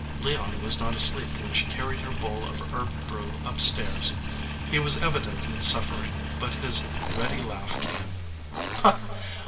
Leon was not asleep when she carried her bowl of herb brew up stairs. He was evidently suffering, but his ready laugh came.